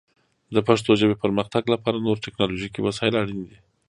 د پښتو ژبې پرمختګ لپاره نور ټکنالوژیکي وسایل اړین دي.